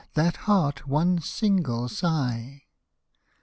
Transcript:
That heart, one single sigh.